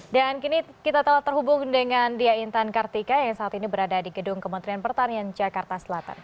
dan kini kita telah terhubung dengan dya intan kartika yang saat ini berada di gedung kementerian pertanian jakarta selatan